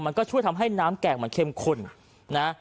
มันก็ช่วยทำให้น้ำแกงเยอะเฉมขุ้น